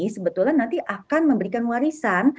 sebetulnya nanti akan memberikan warisan